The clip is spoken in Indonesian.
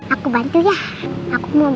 aku bantu ya aku mau baca puisi